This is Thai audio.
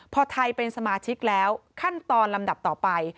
พอไทยเป็นสมาชิกแล้วขั้นตอนลำดับต่อไป